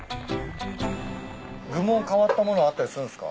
具も変わった物あったりするんすか？